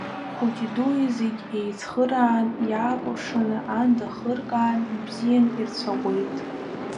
Хәыҷы-дуи зегь еицхыраан, иаакәыршаны аанда хыркаан, ибзиан ирцәаӷәеит.